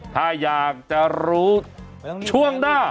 ถ้าอยากจะรู้ช่วงหน้า